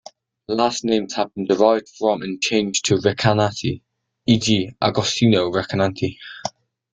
Last names have been derived from and changed to Recanati, e.g., Agostino Recanati.